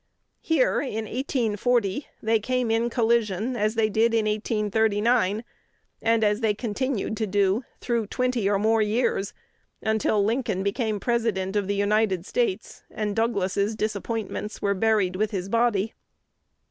Here, in 1840, they came in collision, as they did in 1839, and as they continued to do through twenty or more years, until Lincoln became President of the United States, and Douglas's disappointments were buried with his body.